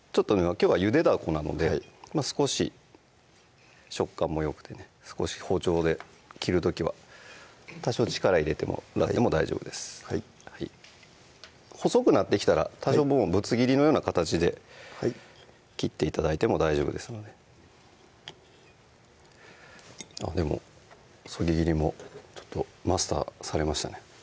きょうはゆでだこなので少し食感もよくてね少し包丁で切る時は多少力入れても大丈夫です細くなってきたらぶつ切りのような形で切って頂いても大丈夫ですのででもそぎ切りもマスターされましたね